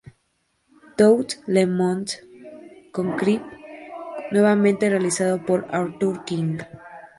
Tout le monde", con clip nuevamente realizado por Arthur King.